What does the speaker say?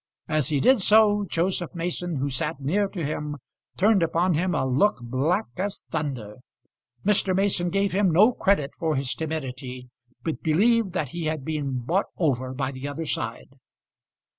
As he did so, Joseph Mason, who sat near to him, turned upon him a look black as thunder. Mr. Mason gave him no credit for his timidity, but believed that he had been bought over by the other side.